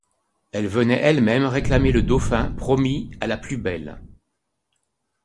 Elle venait elle-même réclamer le dauphin promis à la plus belle.